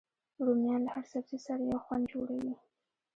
رومیان له هر سبزي سره یو خوند جوړوي